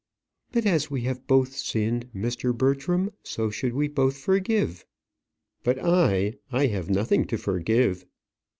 "But as we have both sinned, Mr. Bertram, so should we both forgive." "But I I have nothing to forgive."